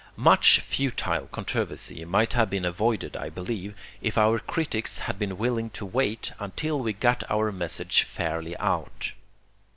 Much futile controversy might have been avoided, I believe, if our critics had been willing to wait until we got our message fairly out.